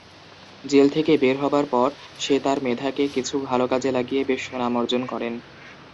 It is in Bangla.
জেল থেকে বের হবার পর সে তার মেধা কে কিছু ভালো কাজে লাগিয়ে বেশ সুনাম অর্জন করেন।